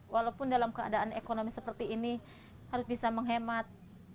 walaupun dalam keadaan ekonomi seperti ini harus bisa menghemat